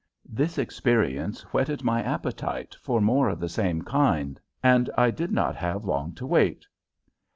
This experience whetted my appetite for more of the same kind, and I did not have long to wait.